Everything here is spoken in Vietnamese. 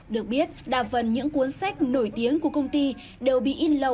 được biết đa phần những cuốn sách nổi tiếng của công ty đều bị in lậu